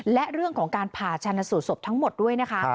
และเรื่องของการผ่าชนสูตรศพทั้งหมดด้วยนะคะ